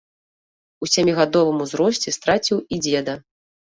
У сямігадовым узросце страціў і дзеда.